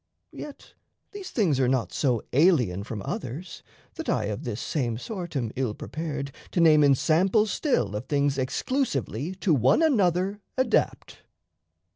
Yet these things Are not so alien from others, that I Of this same sort am ill prepared to name Ensamples still of things exclusively To one another adapt.